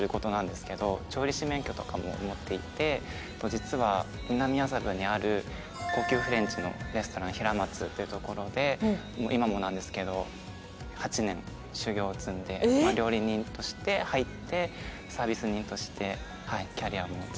実は南麻布にある高級フレンチのレストランひらまつという所で今もなんですけど８年修業を積んで料理人として入ってサービス人としてキャリアも積んでます。